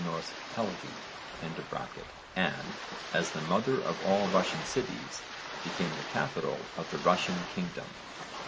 N. Helgi) and, as the mother of all Russian cities, became the capital of the Russian kingdom.